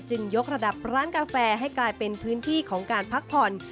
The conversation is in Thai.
ยกระดับร้านกาแฟให้กลายเป็นพื้นที่ของการพักผ่อน